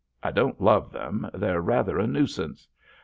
I don't love them, they're rather a nuisance.